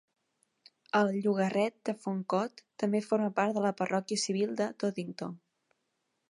El llogarret de Fancott també forma part de la parròquia civil de Toddington.